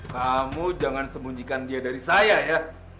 kamu jangan sembunyikan dia dari saya ya